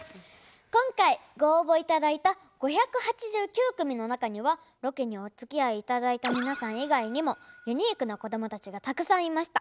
今回ご応募頂いた５８９組の中にはロケにおつきあい頂いた皆さん以外にもユニークなこどもたちがたくさんいました。